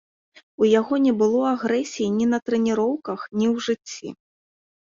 У яго не было агрэсіі ні на трэніроўках, ні ў жыцці.